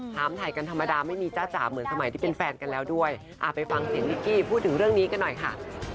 ถามถ่ายกันธรรมดาไม่มีจ้าจ๋าเหมือนสมัยที่เป็นแฟนกันแล้วด้วยไปฟังเสียงนิกกี้พูดถึงเรื่องนี้กันหน่อยค่ะ